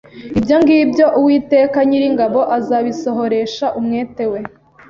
Ibyo ngibyo Uwiteka nyir’ingabo azabisohoresha umwete we